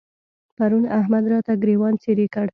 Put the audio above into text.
پرون احمد راته ګرېوان څيرې کړ.